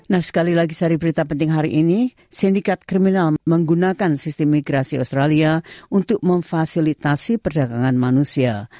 nah sekali lagi sari berita penting hari ini sindikat kriminal menggunakan sistem migrasi australia untuk memfasilitasi perdagangan manusia